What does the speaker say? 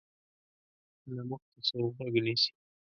نه موږ ته څوک غوږ نیسي.